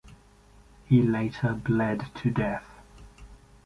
He later bled to death.